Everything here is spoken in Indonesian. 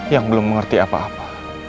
yang belum mengerti apa apa